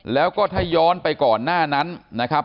แล้วก็ถ้าย้อนไปก่อนหน้านั้นนะครับ